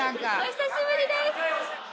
お久しぶりです。